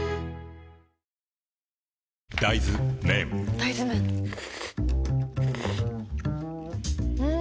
大豆麺ん？